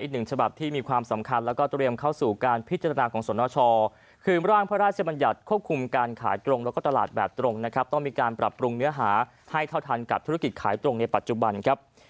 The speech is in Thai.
อีกหนึ่งฉบับที่มีความสำคัญแล้วก็เตรียมเข้าสู่การพิจารณาของสนชคือร่างพระราชบัญญัติควบคุมการขายตรงแล้วก็ตลาดแบบตรงนะครับต้องมีการปรับปรุงเนื้อหาให้เท่าทันกับธุรกิจขายตรงในปัจจุบันครับ